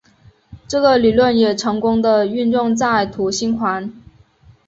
这个理论也成功的运用在土星环。